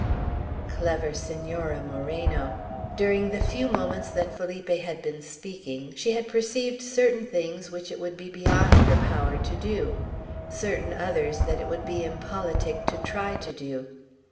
Clever Senora Moreno! During the few moments that Felipe had been speaking, she had perceived certain things which it would be beyond her power to do; certain others that it would be impolitic to try to do.